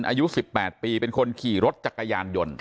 อายุ๑๘ปีเป็นคนขี่รถจักรยานยนต์